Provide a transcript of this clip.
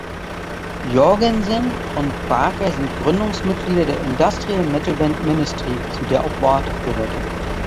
Jourgensen und Barker sind Gründungsmitglieder der Industrial-Metal-Band Ministry, zu der auch Ward gehörte.